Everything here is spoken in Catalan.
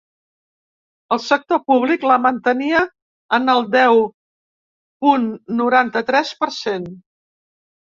El sector públic la mantenia en el deu punt noranta-tres per cent.